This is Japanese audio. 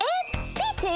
ピーチー？